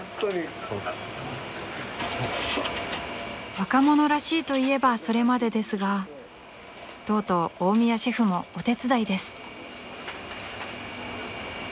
［若者らしいといえばそれまでですがとうとう大宮シェフもお手伝いです］